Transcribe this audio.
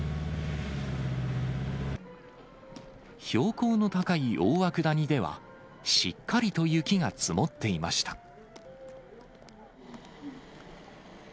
標高の高い大涌谷では、しっかりと雪が積もっていました。